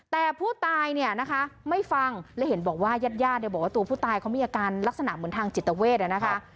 แต่ผู้ตายเนี่ยนะคะไม่ฟังและเห็นบอกว่าญาติญาติเนี่ยบอกว่าตัวผู้ตายเขามีอาการลักษณะเหมือนทางจิตเวทนะคะ